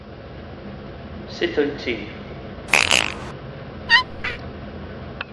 Cafodd y gêm adolygiadau cadarnhaol.